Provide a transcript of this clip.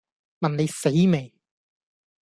問你死未